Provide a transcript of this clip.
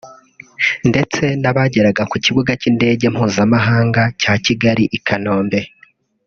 ndetse n’abageraga ku Kibuga cy’Indege Mpuzamahanga cya Kigali i Kanombe